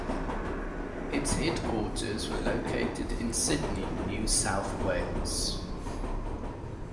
Its headquarters were located in Sydney, New South Wales.